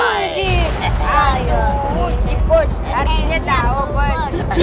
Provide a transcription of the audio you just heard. artinya tau bos